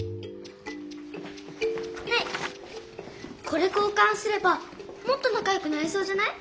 これ交かんすればもっとなかよくなれそうじゃない？